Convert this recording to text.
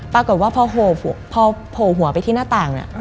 ปรากฏว่าพอโผล่หัวไปที่หน้าต่างเนี่ย